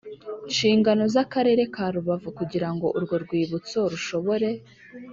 Nshingano z akarere ka rubavu kugira ngo urwo rwibutso rushobore